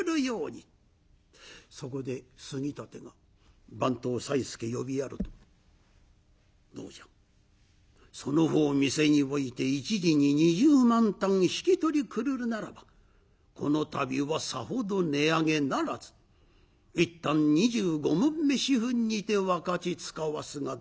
そこで杉立が番頭さいすけ呼びやると「どうじゃその方店に置いて一時に２０万反引き取りくるるならばこの度はさほど値上げならず１反２５匁４分にて分かちつかわすがどうじゃ？」。